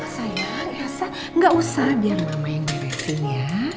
sayang rasa enggak usah biar mama yang beresin ya